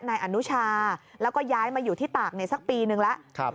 นายอนุชาแล้วก็ย้ายมาอยู่ที่ตากในสักปีนึงแล้ว